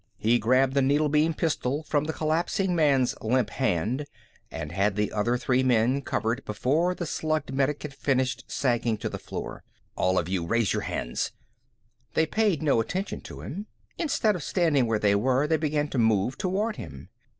He grabbed the needle beam pistol from the collapsing man's limp hand and had the other three men covered before the slugged medic had finished sagging to the floor. "All of you! Raise your hands!" They paid no attention to him. Instead of standing where they were, they began to move toward him.